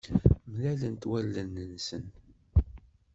Mlalent wallen-nsen.